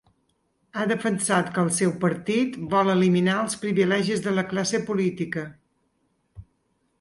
Ha defensat que el seu partit vol eliminar els privilegis de la classe política.